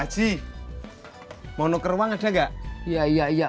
jangan celek ya